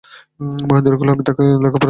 মহেন্দ্র কহিল, তাহাকে আমি লেখাপড়া শিখাইব।